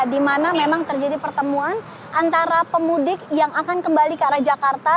di mana memang terjadi pertemuan antara pemudik yang akan kembali ke arah jakarta